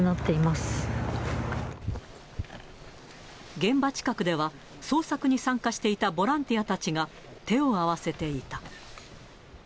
ーげんばちかくでは捜索に参加していたボランティアたちが、手を合わせていた。